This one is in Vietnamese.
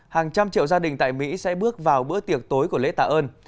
hàng trăm triệu gia đình tại mỹ sẽ bước vào bữa tiệc tối của lễ tạ ơn